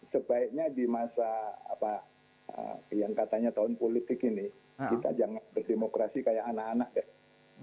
sebaiknya di masa yang katanya tahun politik ini kita jangan berdemokrasi kayak anak anak ya